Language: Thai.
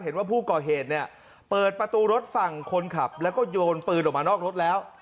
เห็นว่าผู้ก่อเหตุเนี่ยเปิดประตูรถฝั่งคนขับแล้วก็โยนปืนออกมานอกรถแล้ว